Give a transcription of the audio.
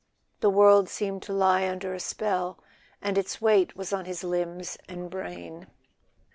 The world seemed to lie under a spell, and its weight was on his limbs and brain.